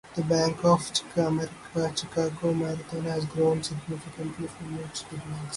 The Bank of America Chicago Marathon has grown significantly from its beginnings.